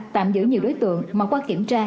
tạm giữ nhiều đối tượng mà qua kiểm tra